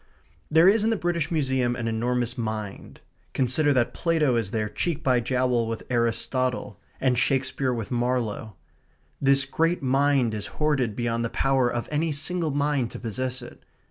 There is in the British Museum an enormous mind. Consider that Plato is there cheek by jowl with Aristotle; and Shakespeare with Marlowe. This great mind is hoarded beyond the power of any single mind to possess it.